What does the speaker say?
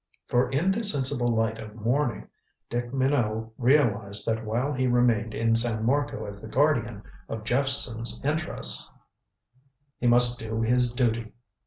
For in the sensible light of morning Dick Minot realized that while he remained in San Marco as the guardian of Jephson's interests, he must do his duty.